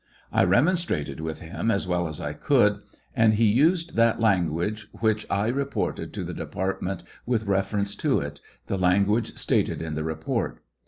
I remonstrated with him as well as I could, and he used that language which I reported to the department with reference to it' — the language stated in the report.